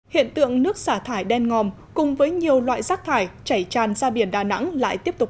hiện tượng nước xả thải đen ngòm cùng với nhiều loại rác thải chảy tràn ra biển đà nẵng lại tiếp tục